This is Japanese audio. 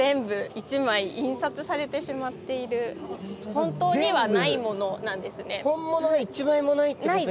本当にはないものなんですね。